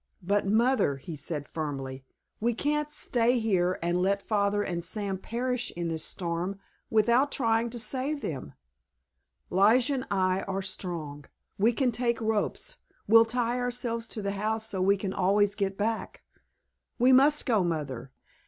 "But, Mother," he said firmly, "we can't stay here and let Father and Sam perish in this storm without trying to save them! Lige and I are strong—we can take ropes—we'll tie ourselves to the house so we can always get back. We must go, Mother!